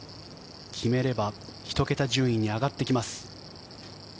決めれば１桁順位に上がってきます。